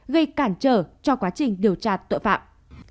gây cản trở cho quá trình điều tra tội phạm